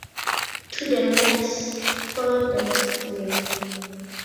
"To the Max" followed the next year.